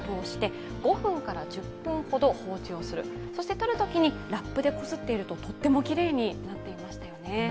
とるときにラップでこすると、とてもきれいになってましたよね。